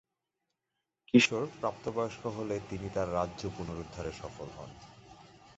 কিশোর প্রাপ্তবয়স্ক হলে তিনি তার রাজ্য পুনরুদ্ধারে সফল হন।